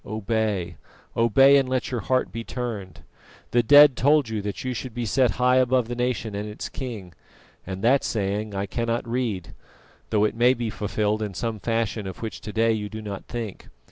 Obey, obey, and let your heart be turned. The dead told you that you should be set high above the nation and its king, and that saying I cannot read, though it may be fulfilled in some fashion of which to day you do not think.